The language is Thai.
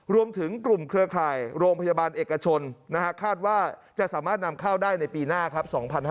รวมถึงกลุ่มเครือข่ายโรงพยาบาลเอกชนคาดว่าจะสามารถนำเข้าได้ในปีหน้าครับ